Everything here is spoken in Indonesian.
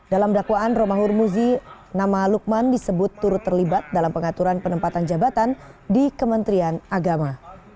dalam dakwaan romahur muzi nama lukman disebut turut terlibat dalam pengaturan penempatan jabatan di kementerian agama